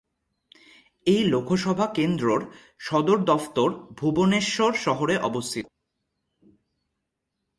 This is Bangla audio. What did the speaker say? এই লোকসভা কেন্দ্রর সদর দফতর ভুবনেশ্বর শহরে অবস্থিত।